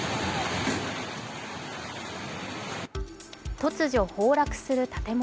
突如崩落する建物。